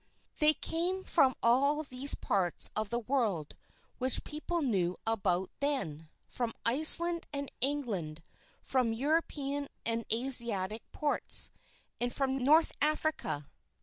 They came from all those parts of the world which people knew about then, from Iceland and England, from European and Asiatic ports, and from North Africa.